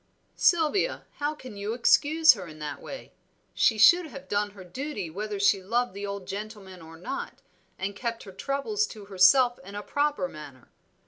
"Sylvia, how can you excuse her in that way? She should have done her duty whether she loved the old gentleman or not, and kept her troubles to herself in a proper manner.